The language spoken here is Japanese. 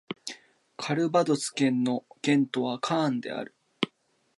カルヴァドス県の県都はカーンである